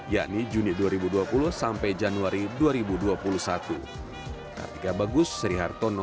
yakni juni dua ribu dua puluh sampai januari dua ribu dua puluh satu